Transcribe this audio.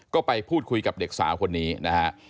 ก็ไปพูดคุยกับเด็กสาวคนนี้นะฮะ